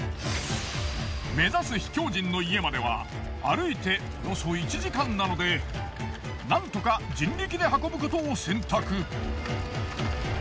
目指す秘境人の家までは歩いておよそ１時間なのでなんとか人力で運ぶことを選択。